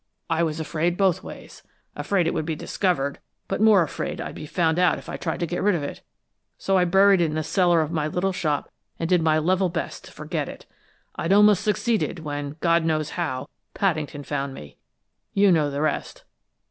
"I was afraid both ways afraid it would be discovered, but more afraid I'd be found out if I tried to get rid of it. So I buried it in the cellar of my little shop and did my level best to forget it. I'd almost succeeded when, God knows how, Paddington found me. You know the rest."